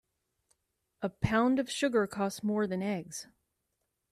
A pound of sugar costs more than eggs.